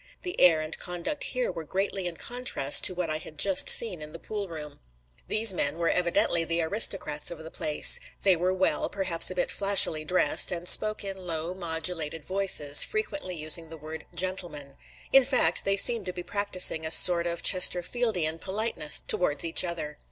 The air and conduct here were greatly in contrast to what I had just seen in the pool room; these men were evidently the aristocrats of the place; they were well, perhaps a bit flashily, dressed and spoke in low modulated voices, frequently using the word "gentlemen"; in fact, they seemed to be practicing a sort of Chesterfieldian politeness towards each other.